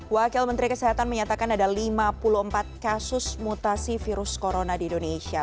wakil menteri kesehatan menyatakan ada lima puluh empat kasus mutasi virus corona di indonesia